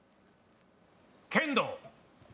剣道。